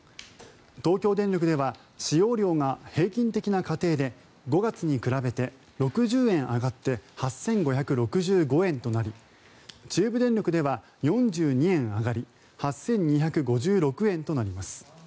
東京電力では使用量が平均的な家庭で５月に比べて６０円上がって８５６５円となり中部電力では４２円上がり８２５６円となります。